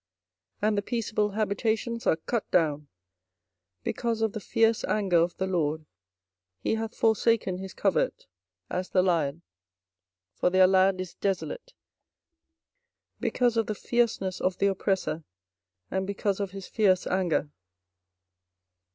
24:025:037 And the peaceable habitations are cut down because of the fierce anger of the LORD. 24:025:038 He hath forsaken his covert, as the lion: for their land is desolate because of the fierceness of the oppressor, and because of his fierce anger.